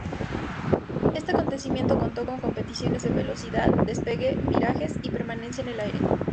Este acontecimiento contó con competiciones de velocidad, despegue, virajes y permanencia en el aire.